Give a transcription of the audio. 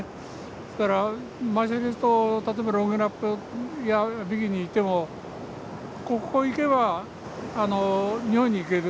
ですからマーシャルの人例えばロンゲラップやビキニへ行ってもここを行けば日本に行ける。